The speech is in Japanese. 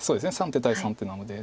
３手対３手なので。